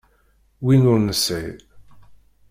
Win ur nesɛi.